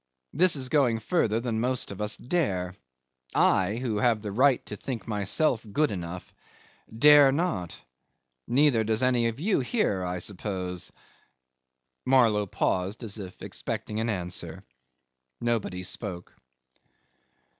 This is going further than most of us dare. I who have the right to think myself good enough dare not. Neither does any of you here, I suppose? ...' Marlow paused, as if expecting an answer. Nobody spoke.